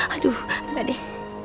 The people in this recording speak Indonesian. aduh enggak deh